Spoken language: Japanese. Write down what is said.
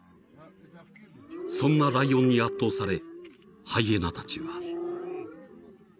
［そんなライオンに圧倒されハイエナたちは］